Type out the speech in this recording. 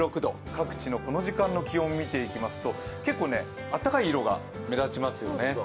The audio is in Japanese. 各地のこの時間の気温を見ていきますと結構、暖かい色が目立ちますね。